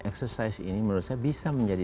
exercise ini menurut saya bisa menjadi